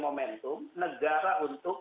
momentum negara untuk